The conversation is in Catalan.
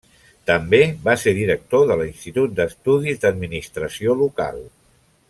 També va ser director de l'Institut d'Estudis d'Administració Local.